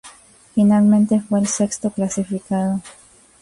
Finalmente fue el sexto clasificado.